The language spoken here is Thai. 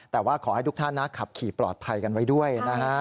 แต่ว่าขอให้ทุกท่านขับขี่ปลอดภัยกันไว้ด้วยนะฮะ